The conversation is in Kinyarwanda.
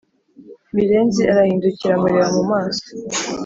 mirenzi arahindukira amureba mumaso